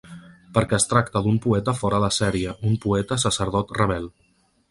Perquè es tracta d’un poeta fora de sèrie, un poeta-sacerdot rebel.